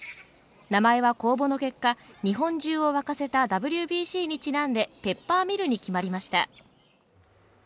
名前は公募の結果、日本中を沸かせたＷＢＣにちなんでペッパーミルに決まりました。